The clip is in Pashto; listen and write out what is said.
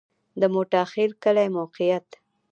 د موټاخیل کلی موقعیت